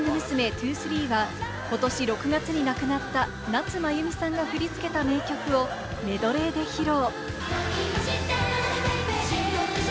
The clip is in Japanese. ’２３は、ことし６月に亡くなった夏まゆみさんが振り付けた名曲をメドレーで披露。